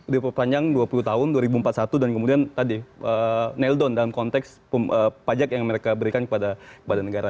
diperpanjang dua puluh tahun dua ribu empat puluh satu dan kemudian tadi nail down dalam konteks pajak yang mereka berikan kepada badan negara